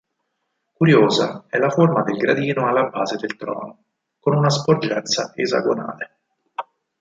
Curiosa è la forma del gradino alla base del trono, con una sporgenza esagonale.